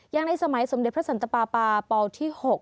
อย่างในสมเด็จพระสันตะปาปที่๖